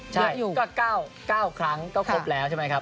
ยืนอยู่ก็๙ครั้งก็ครบแล้วใช่ไหมครับ